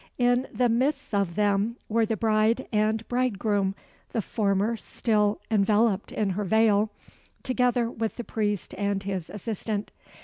In the midst of them were the bride and bridegroom the former still enveloped in her veil together with the priest and his assistant.